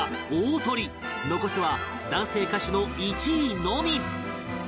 残すは男性歌手の１位のみ